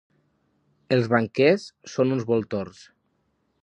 Els banquers són uns voltors.